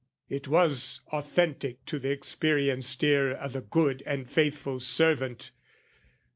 It was authentic to the experienced ear O' the good and faithful servant.